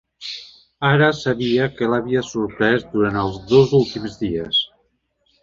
Ara sabia què l'havia sorprès durant els dos últims dies.